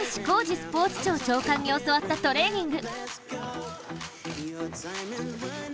スポーツ庁長官に教わったトレーニング。